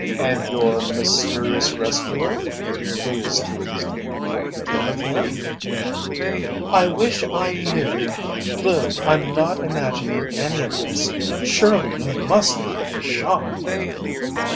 "And your mysterious rescuer?" Louise teased. "What became of him?" "I wish I knew! Lou, I'm not imagining any of this! Surely you must have heard the shot?"